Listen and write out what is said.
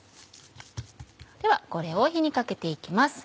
ではこれを火にかけて行きます。